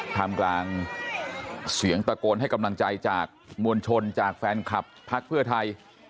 ทำกลางเสียงตะโกนให้กำลังใจจากมวลชนจากแฟนคลับพักเพื่อไทย